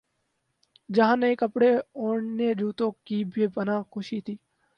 جہاں نئے کپڑوں اورنئے جوتوں کی بے پنا ہ خوشی تھی۔